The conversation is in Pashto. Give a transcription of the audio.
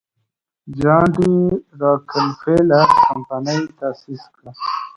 جان ډي راکلفیلر کمپنۍ تاسیس کړه.